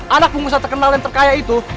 anak pengusaha terkenal dan terkaya itu